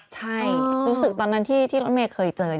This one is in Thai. ใช่รู้สึกตอนนั้นที่รถเมย์เคยเจอ